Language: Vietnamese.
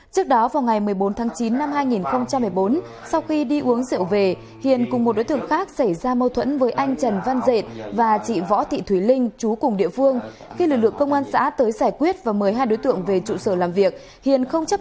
các bạn hãy đăng ký kênh để ủng hộ kênh của chúng mình nhé